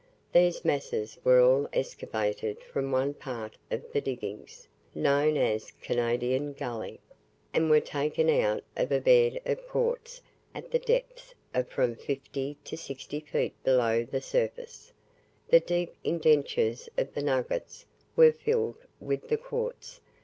These masses were all excavated from one part of the diggings, known as Canadian Gully, and were taken out of a bed of quartz, at the depths of from fifty to sixty five feet below the surface. The deep indentures of the nuggets were filled with the quartz.